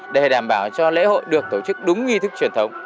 để đảm bảo cho lễ hội được tổ chức đúng nghi thức truyền thống